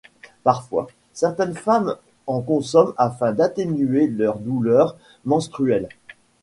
Parfois, certaines femmes en consomment afin d'atténuer leurs douleurs menstruelles.